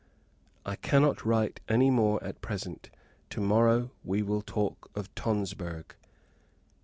I cannot write any more at present. To morrow we will talk of Tonsberg.